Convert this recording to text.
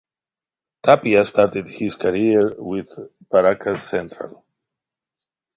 Tapia started his career with Barracas Central.